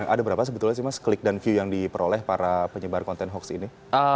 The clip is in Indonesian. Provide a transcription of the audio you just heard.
ada berapa sebetulnya sih mas klik dan view yang diperoleh para penyebar konten hoax ini